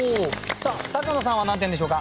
さあ高野さんは何点でしょうか？